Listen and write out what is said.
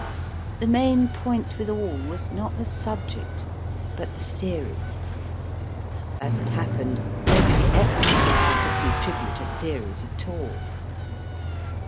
The main point with all was not the subject, but the series. As it happened, nobody ever was allowed to contribute a series at all.